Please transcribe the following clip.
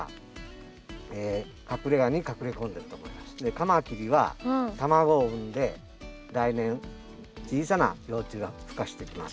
カマキリは卵を産んで来年小さな幼虫がふ化してきます。